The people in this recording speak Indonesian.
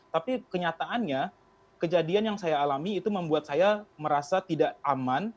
tapi kenyataannya kejadian yang saya alami itu membuat saya merasa tidak aman